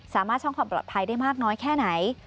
สามารถช่องความปลอดภัยได้มากน้อยแค่ไหน